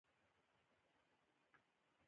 په دې درېو مياشتو کښې چې زه او عبدالهادي دلته يو.